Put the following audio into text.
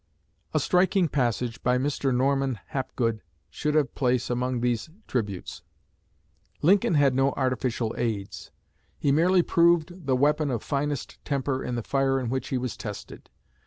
A striking passage by Mr. Norman Hapgood should have place among these tributes. "Lincoln had no artificial aids. He merely proved the weapon of finest temper in the fire in which he was tested.